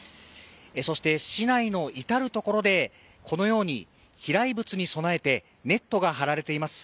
そして市内の至る所でこのように飛来物に備えてネットが張られています。